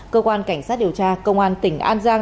cơ quan cảnh sát điều tra công an tỉnh an giang